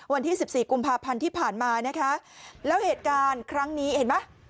วันที่สิบสี่กุมภาพันธ์ที่ผ่านมานะคะแล้วเหตุการณ์ครั้งนี้เห็นไหม